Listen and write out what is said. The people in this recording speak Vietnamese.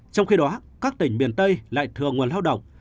trong khi đó các tỉnh miền tây lại thừa nguồn lao động